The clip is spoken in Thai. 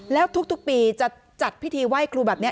แล้วทุกปีจะจัดพิธีไหว้ครูแบบนี้